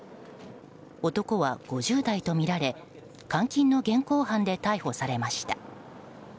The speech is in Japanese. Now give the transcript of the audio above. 男は５０代とみられ監禁の現行犯で逮捕されました。